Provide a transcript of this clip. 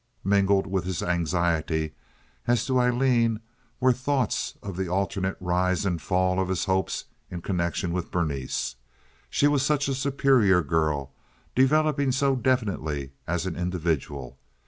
Mingled with his anxiety as to Aileen were thoughts of the alternate rise and fall of his hopes in connection with Berenice. She was such a superior girl, developing so definitely as an individual.